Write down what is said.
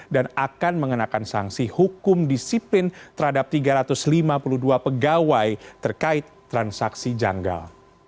dan akan mengenakan sanksi hukum disiplin terhadap tiga ratus lima puluh dua pegawai terkait transaksi janggal